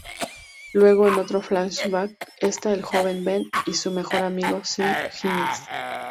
Luego, en otro flashback, está el joven Ben y su mejor amigo Sean Higgins.